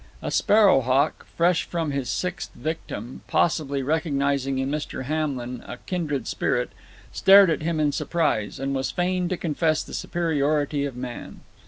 A sparrow hawk, fresh from his sixth victim, possibly recognizing in Mr. Hamlin a kindred spirit, stared at him in surprise, and was fain to confess the superiority of man.